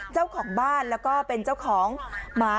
เจ้าของบ้านแล้วก็เป็นเจ้าของหมา